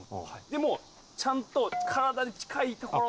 でもちゃんと体に近いところで。